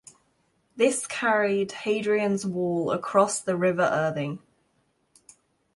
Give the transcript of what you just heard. This carried Hadrian's Wall across the River Irthing.